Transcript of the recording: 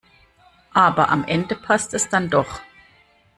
Aber am Ende passt es dann doch.